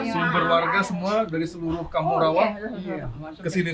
sumber warga semua dari seluruh kampung rawa kesini